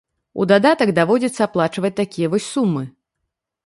У дадатак даводзіцца аплачваць такія вось сумы.